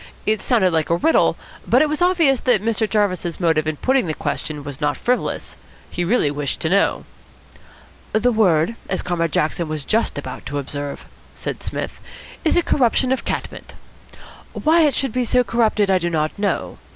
It sounded like a riddle, but it was obvious that Mr. Jarvis's motive in putting the question was not frivolous. He really wished to know. "The word, as Comrade Jackson was just about to observe," said Psmith, "is a corruption of cat mint. Why it should be so corrupted I do not know.